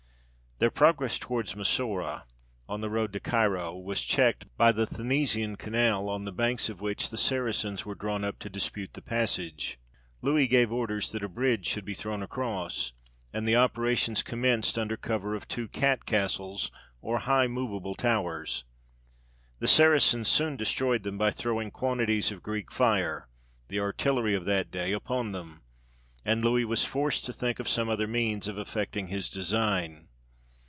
Their progress towards Massoura, on the road to Cairo, was checked by the Thanisian canal, on the banks of which the Saracens were drawn up to dispute the passage. Louis gave orders that a bridge should be thrown across: and the operations commenced under cover of two cat castles, or high movable towers. The Saracens soon destroyed them by throwing quantities of Greek fire, the artillery of that day, upon them, and Louis was forced to think of some other means of effecting his design.